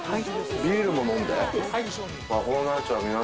ビールも飲んで？